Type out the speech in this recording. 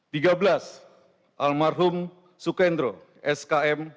tiga belas almarhum sukendro skm